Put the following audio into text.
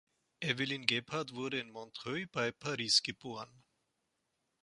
Evelyne Gebhardt wurde in Montreuil bei Paris geboren.